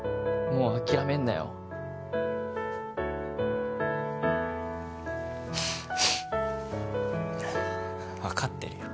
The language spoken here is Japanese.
もう諦めんなよ分かってるよ